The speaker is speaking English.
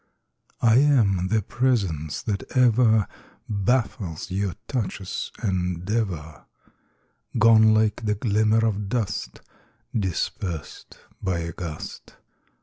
I am the presence that ever Baffles your touch's endeavor, Gone like the glimmer of dust Dispersed by a gust.